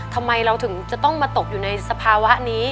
ทำไมเราถึงจะต้องมาตกอยู่ในสภาวะนี้